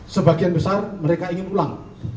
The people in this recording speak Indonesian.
sebagian besar mereka ingin pulang